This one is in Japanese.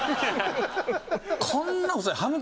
こんな細い。